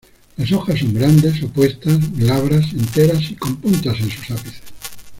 Las hojas son grandes, opuestas, glabras, enteras, y con punta en sus ápices.